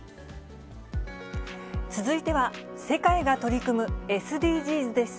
続いては、世界が取り組むＳＤＧｓです。